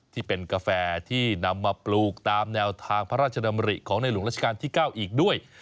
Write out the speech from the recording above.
ที่เป็นกาแฟที่นำมาปลูกตามแนวทางพระราชดำริของในหลวงราชการที่๙อีกด้วย